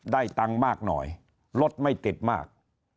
ได้ตังค์มากหน่อยรถไม่ติดมาก